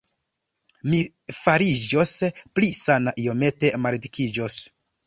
Mi fariĝos pli sana, iomete maldikiĝos.